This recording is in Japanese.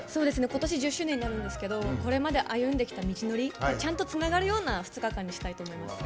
ことし１０周年になるんですけどこれまで歩んできた道のりがちゃんとつながるような２日間にしたいと思います。